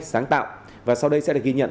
sáng tạo và sau đây sẽ được ghi nhận